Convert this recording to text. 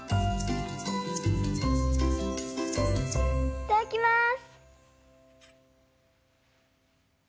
いただきます！